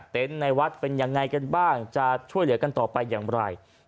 ในวัดเป็นยังไงกันบ้างจะช่วยเหลือกันต่อไปอย่างไร